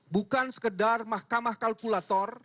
bukan sekedar mahkamah kalkulator